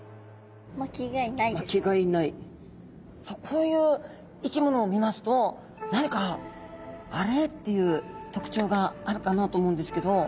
こういう生き物を見ますと何か「あれ？」っていうとくちょうがあるかなと思うんですけど。